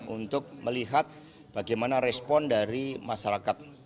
untuk melihat bagaimana respon dari masyarakat